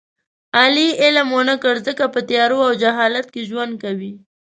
علي علم و نه کړ ځکه په تیارو او جهالت کې ژوند کوي.